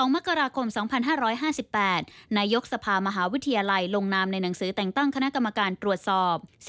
มกราคม๒๕๕๘นายกสภามหาวิทยาลัยลงนามในหนังสือแต่งตั้งคณะกรรมการตรวจสอบ